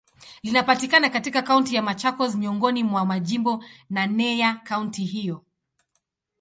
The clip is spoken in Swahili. Linapatikana katika Kaunti ya Machakos, miongoni mwa majimbo naneya kaunti hiyo.